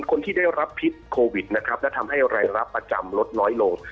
คนที่ได้รับพิษโควิดนะครับและทำให้รายรับประจำลดน้อยลง